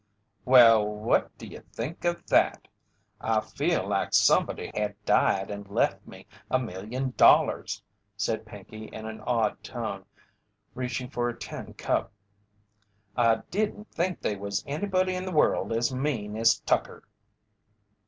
"Well, what do you think of that!" "I feel like somebody had died and left me a million dollars!" said Pinkey in an awed tone, reaching for a tin cup. "I didn't think they was anybody in the world as mean as Tucker."